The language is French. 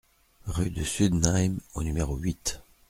Rue de Sundenheim au numéro huit